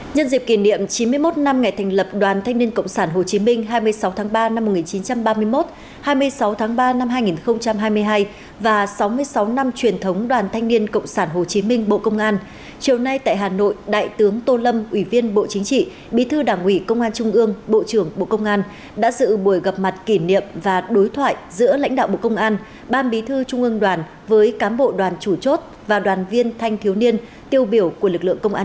nhân dịp kỷ niệm chín mươi một năm ngày thành lập đoàn thanh niên cộng sản hồ chí minh hai mươi sáu tháng ba năm một nghìn chín trăm ba mươi một hai mươi sáu tháng ba năm hai nghìn hai mươi hai và sáu mươi sáu năm truyền thống đoàn thanh niên cộng sản hồ chí minh bộ công an